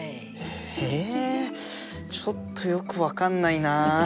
えちょっとよく分かんないな。